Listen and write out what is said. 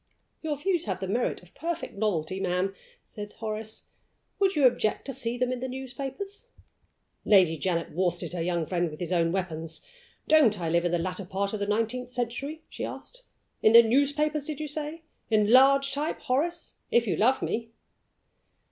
"Your views have the merit of perfect novelty, ma'am," said Horace. "Would you object to see them in the newspapers?" Lady Janet worsted her young friend with his own weapons. "Don't I live in the latter part of the nineteenth century?" she asked. "In the newspapers, did you say? In large type, Horace, if you love me!"